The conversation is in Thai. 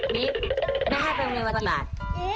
มิ๊กแม่ให้ไปโรงเรียนวันกี่บาท